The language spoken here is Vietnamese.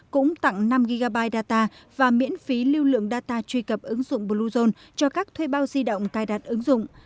cũng tặng năm gb data và miễn phí lưu lượng data truy cập ứng dụng bluezone cho các thuê bao di động cài đặt ứng dụng